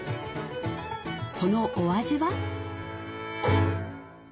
そのお味は？